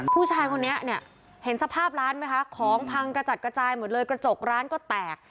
ผู้ชายคนนี้เนี่ยเห็นสภาพร้านไหมคะของพังกระจัดกระจายหมดเลยกระจกร้านก็แตก